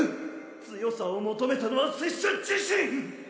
強さを求めたのは拙者自身！